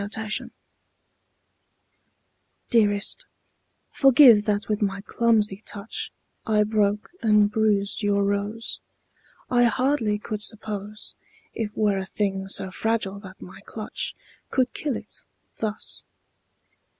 Stupidity Dearest, forgive that with my clumsy touch I broke and bruised your rose. I hardly could suppose It were a thing so fragile that my clutch Could kill it, thus.